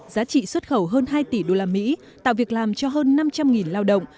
giá trị xuất khẩu hơn hai tỷ usd tạo việc làm cho hơn năm trăm linh lao động